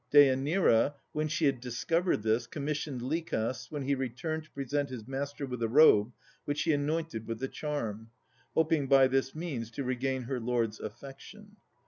Deanira, when she had discovered this, commissioned Lichas when he returned to present his master with a robe, which she had anointed with the charm, hoping by this means to regain her lord's affection.